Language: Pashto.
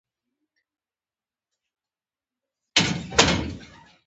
ايا دې دوايانو شوګر صرف د رګونو نه اوويستۀ